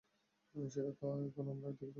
সেটা তো আমরা এখনই বানাতে পারি।